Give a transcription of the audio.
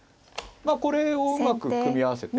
これをうまく組み合わせて。